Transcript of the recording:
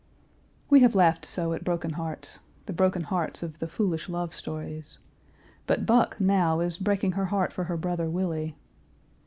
We have laughed so at broken hearts the broken hearts of the foolish love stories. But Buck, now, is breaking her heart for her brother Willie.